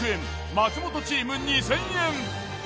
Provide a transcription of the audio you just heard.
松本チーム２，０００円。